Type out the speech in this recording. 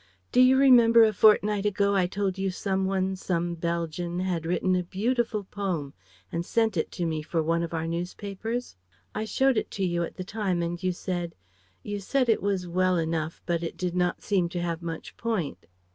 "Do you remember a fortnight ago I told you some one, some Belgian had written a beautiful poem and sent it to me for one of our newspapers? I showed it to you at the time and you said you said 'it was well enough, but it did not seem to have much point.'"